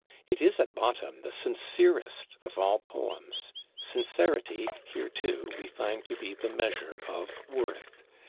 It is, at bottom, the sincerest of all Poems; sincerity, here too, we find to be the measure of worth.